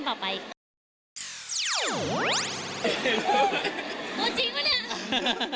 ตัวจริงป่ะเนี่ย